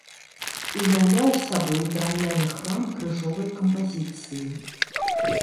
Уяўляў сабой драўляны храм крыжовай кампазіцыі.